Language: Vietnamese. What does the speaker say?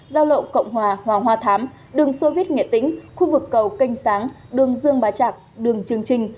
giao lộ cộng hòa hòa hòa thám đường xô viết nghệ tính khu vực cầu canh sáng đường dương bá trạc đường trương trinh